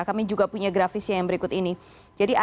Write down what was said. kami juga punya grafisnya yang berikut ini